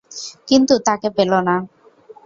কিন্তু তাকে পেল না।